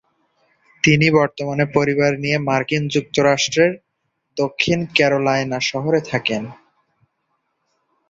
তিনি বর্তমানে পরিবার নিয়ে মার্কিন যুক্তরাষ্ট্রের দক্ষিণ ক্যারোলাইনা শহরে থাকেন।